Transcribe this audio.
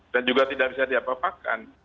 dan juga tidak bisa diapapakan